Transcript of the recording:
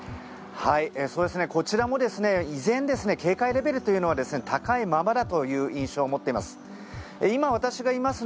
こちらも依然、警戒レベルというのは高いままだという印象を持っています。